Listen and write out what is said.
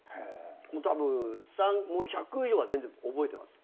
たぶん１００以上は全然覚えてます。